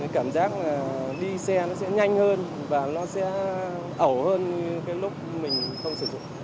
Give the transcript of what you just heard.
cảm giác là ly xe nó sẽ nhanh hơn và nó sẽ ẩu hơn cái lúc mình không sử dụng